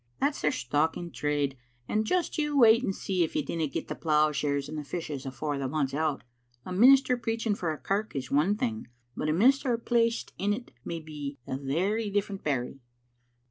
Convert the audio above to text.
That's their stock in trade ; and just you wait and see if you dinna get the ploughshares and the fishes afore the month's out. A minister preaching for a kirk is one thing, but a minister placed in't may be a very different berry."